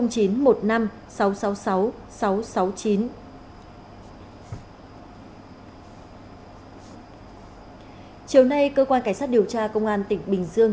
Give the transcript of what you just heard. chiều nay cơ quan cảnh sát điều tra công an tỉnh bình dương